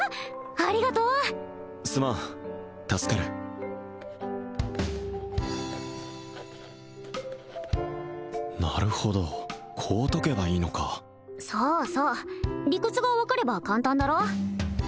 ありがとうすまん助かるなるほどこう解けばいいのかそうそう理屈が分かれば簡単だろ？